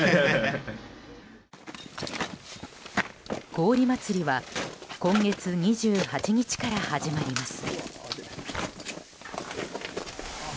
氷まつりは今月２８日から始まります。